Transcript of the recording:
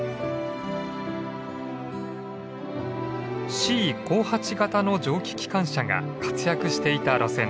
Ｃ５８形の蒸気機関車が活躍していた路線です。